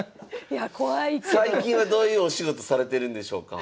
最近はどういうお仕事されてるんでしょうか？